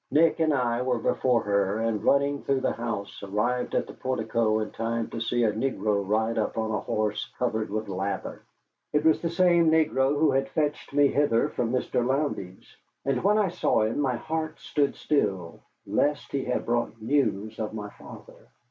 Nick and I were before her, and, running through the house, arrived at the portico in time to see a negro ride up on a horse covered with lather. It was the same negro who had fetched me hither from Mr. Lowndes. And when I saw him my heart stood still lest he had brought news of my father.